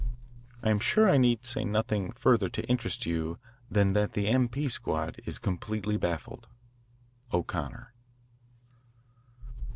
I am sure I need say nothing further to interest you than that the M.P. Squad is completely baffled. O'CONNOR.